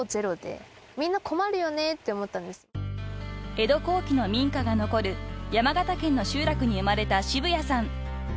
［江戸後期の民家が残る山形県の集落に生まれた渋谷さん］